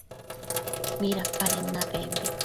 ¿Midapaden napembi?